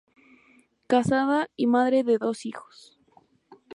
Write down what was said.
Casada y madre de dos hijos.